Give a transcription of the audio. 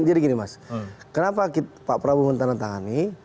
jadi gini mas kenapa pak prabowo ditandatangani